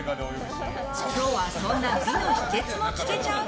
今日はそんな美の秘訣も聞けちゃう？